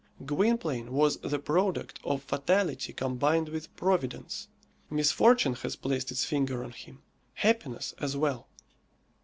Gwynplaine was the product of fatality combined with Providence. Misfortune had placed its finger on him; happiness as well.